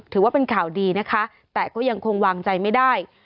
ถือว่าเป็นข่าวดีนะคะแต่ก็ยังคงวางใจไม่ได้